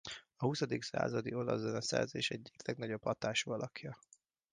A huszadik századi olasz zeneszerzés egyik legnagyobb hatású alakja.